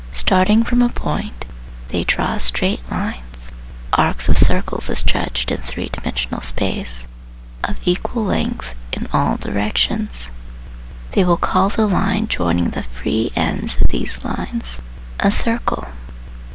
Starting from a point, they draw " straight lines " (arcs of circles as judged in three dimensional space) of equal length in all directions. They will call the line joining the free ends of these lines a " circle."